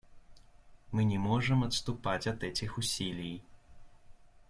Мы не можем отступать от этих усилий.